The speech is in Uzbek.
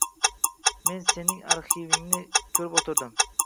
Men sening arxiingni koʻrib oʻtirdim